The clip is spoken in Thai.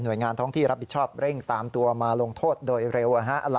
โดยงานท้องที่รับผิดชอบเร่งตามตัวมาลงโทษโดยเร็ว